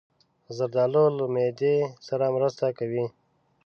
زردالو له معدې سره مرسته کوي.